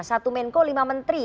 satu menko lima menteri